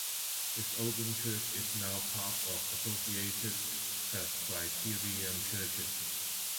His Oban church is now part of Associated Presbyterian Churches.